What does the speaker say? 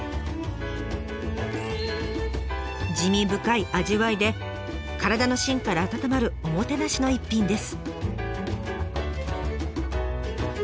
滋味深い味わいで体の芯から温まるおもてなしの一品です。